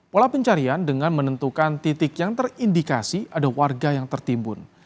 pola pencarian dengan menentukan titik yang terindikasi ada warga yang tertimbun